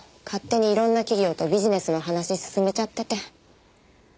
勝手にいろんな企業とビジネスの話進めちゃってて。